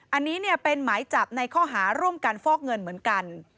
อันนี้เป็นหมายจับในข้อหาร่วมกันฟอกเงินเหมือนกัน